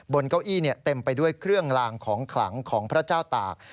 เก้าอี้เต็มไปด้วยเครื่องลางของขลังของพระเจ้าตาก